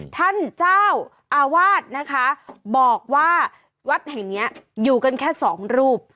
ท่านเจ้าอาวาสนะคะบอกว่าวัดแห่งเนี้ยอยู่กันแค่สองรูป